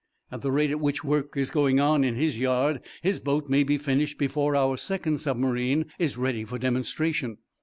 At the rate at which work is going on at his yard his boat may be finished before our second submarine is ready for demonstration.